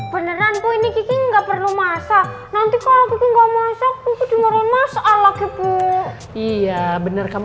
beneran ini kiki nggak perlu masa nanti kalau nggak masak masalah iya bener kamu